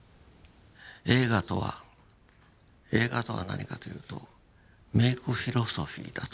映画とは映画とは何かと言うと「メイク・フィロソフィー」だと。